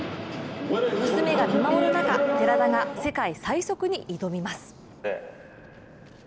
娘が見守る中寺田が世界最速に挑みます。